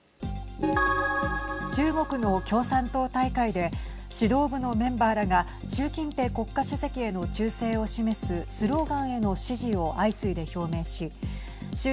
中国の共産党大会で指導部のメンバーらが習近平国家主席への忠誠を示すスローガンへの支持を相次いで表明し習